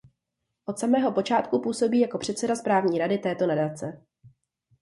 Od samého počátku působí jako předseda správní rady této nadace.